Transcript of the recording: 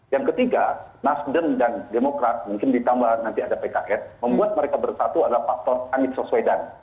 yang ketiga nasdem dan demokrat mungkin ditambah nanti ada pks membuat mereka bersatu adalah faktor anies waswedan